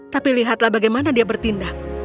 tapi lihatlah bagaimana dia bertindak